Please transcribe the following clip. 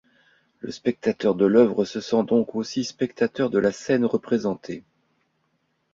Le spectateur de l'œuvre se sent donc aussi spectateur de la scène représentée.